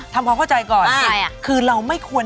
ที่เขาไย